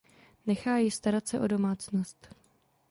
Nechá ji starat se o domácnost.